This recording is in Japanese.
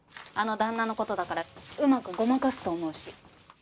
あの旦那の事だからうまくごまかすと思うし。